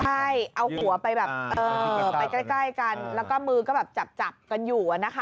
ใช่เอาหัวไปแบบไปใกล้กันแล้วก็มือก็แบบจับกันอยู่นะคะ